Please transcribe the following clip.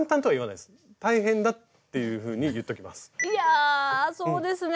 いやそうですね。